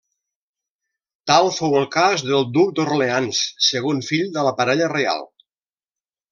Tal fou el cas del duc d'Orleans, segon fill de la parella reial.